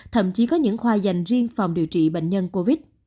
thậm chí có những khoa dành riêng phòng điều trị bệnh nhân covid